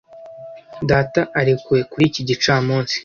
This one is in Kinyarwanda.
Data arekuwe kuri iki gicamunsi.